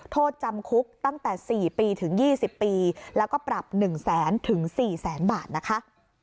โทษจำคุกตั้งแต่๔ปีถึง๒๐ปีแล้วก็ปรับ๑แสนถึง๔แสนบาทนะคะ